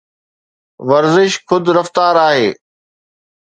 ورزش خود رفتار آهي